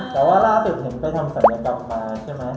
แต่ว่าร่าสุดยอดไปทำสำเร็จอ่อนกว่าใช่ไหม